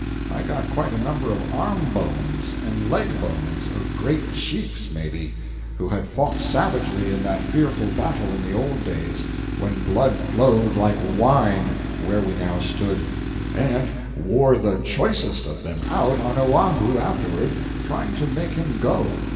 I got quite a number of arm bones and leg bones—of great chiefs, may be, who had fought savagely in that fearful battle in the old days, when blood flowed like wine where we now stood—and wore the choicest of them out on Oahu afterward, trying to make him go.